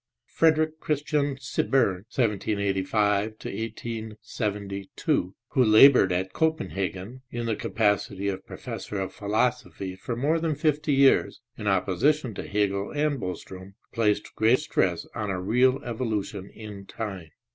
Frederick Christian Sibber n (1785 1872), who labored at Copenhagen in the capacity of professor of philosophy for more than fifty years, in opposition to Hegel and Bostrom placed great stress on a real evolution in time.